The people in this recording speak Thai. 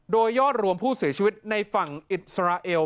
โดยยอดรวมผู้เสียชีวิตในฝั่งอิสราเอล